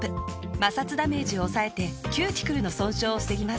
摩擦ダメージを抑えてキューティクルの損傷を防ぎます。